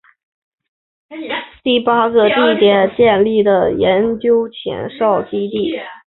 哥伦比亚大学全球中心是由哥伦比亚大学在全球八个地点建立的研究前哨基地。